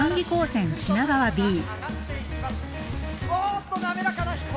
おっと滑らかな飛行。